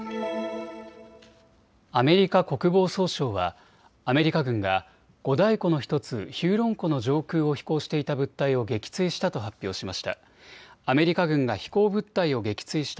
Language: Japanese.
アメリカ国防総省はアメリカ軍が五大湖の１つ、ヒューロン湖の上空を飛行していた物体を撃墜したと発表しました。